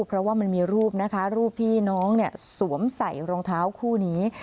เพราะว่ามันมีรูปนะคะรูปที่น้องสวมใส่รองเท้าคู่นี้